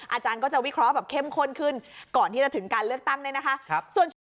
อาจารย์ก็จะวิเคราะห์แบบเข้มข้นขึ้นก่อนที่จะถึงการเลือกตั้งเนี่ยนะคะ